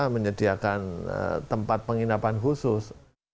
menyediakan tempat penginapan khusus